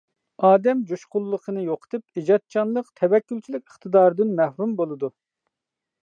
ئادەم جۇشقۇنلۇقىنى يوقىتىپ، ئىجادچانلىق، تەۋەككۈلچىلىك ئىقتىدارىدىن مەھرۇم بولىدۇ.